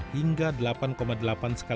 hingga delapan lima juta penumpang